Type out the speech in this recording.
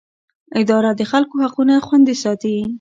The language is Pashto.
اداره د خلکو حقونه خوندي ساتي.